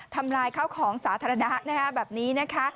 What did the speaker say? ทำลายข้าวของสาธารณะแบบนี้นะคะ